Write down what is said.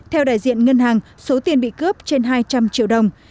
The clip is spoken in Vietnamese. theo đại diện ngân hàng số tiền bị cướp trên hai trăm linh triệu đồng